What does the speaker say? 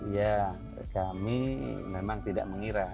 ya kami memang tidak mengira